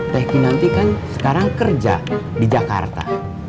teh kinanti kan sekarang kerja di jakarta